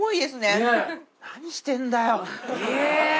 何してんだよ！